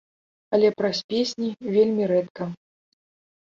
Але праз песні вельмі рэдка.